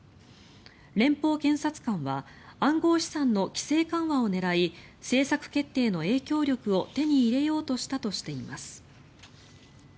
連邦検察官は暗号資産の規制緩和を狙い政策決定への影響力を手に入れようとしたとしています。